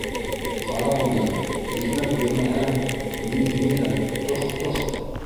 - Ҡара уны: икмәк бирмәһәң, мин һине лә - тох, тох!